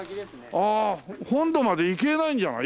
本堂まで行けないんじゃない？